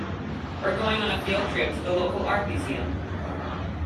We're going on a field trip to the local art museum.